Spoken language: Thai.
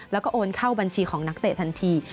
แล้วก็โอนเข้าบัญชีของนักเตะทันที